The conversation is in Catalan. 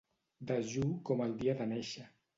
Dejú com el dia de néixer.